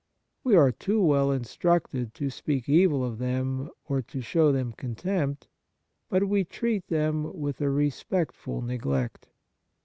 We are too well in structed to speak evil of them, or to show them contempt, but we treat them with a respectful neglect.